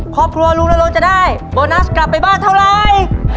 ครอบครัวลุงนรงค์จะได้โบนัสกลับไปบ้านเท่าไร